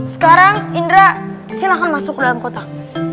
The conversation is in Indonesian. sekarang indra silahkan masuk ke dalam kotak